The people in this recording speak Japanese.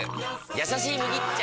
「やさしい麦茶」！